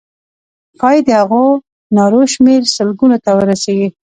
ښایي د هغو نارو شمېر سلګونو ته ورسیږي.